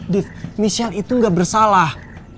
div michelle itu gak bersalah